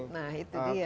nah itu dia